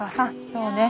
そうね。